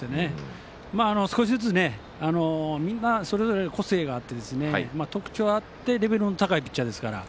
少しずつみんなそれぞれ個性があって特徴があってレベルの高いピッチャーですから。